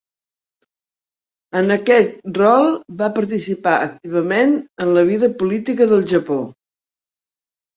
En aquest rol va participar activament en la vida política del Japó.